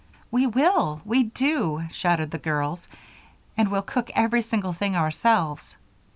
"We will! We do!" shouted the girls. "And we'll cook every single thing ourselves."